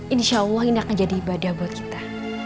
insya allah ini akan jadi ibadah buat kita